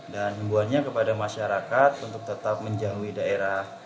dan nembuhannya kepada masyarakat untuk tetap menjauhi daerah